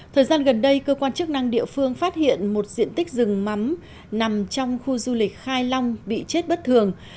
thời gian gần đây cơ quan chức năng địa phương phát hiện một diện tích rừng mắm nằm trong khu du lịch khai long bị chết bất thường